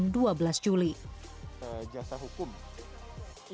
ketika penumpang krl diangkat penumpang krl diangkat kembali ke kppkm darurat